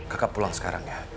kakak pulang sekarang ya